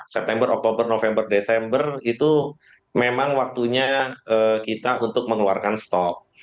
september oktober november desember itu memang waktunya kita untuk mengeluarkan stok